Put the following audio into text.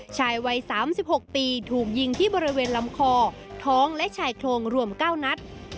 ชายวัย๓๖ปีถูกยิงที่บริเวณลำคอท้องและชายโครงรวม๙นัด